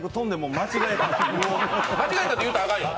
間違えたって言うたらあかんよ。